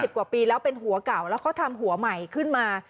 กว่าปีแล้วเป็นหัวเก่าแล้วเขาทำหัวใหม่ขึ้นมา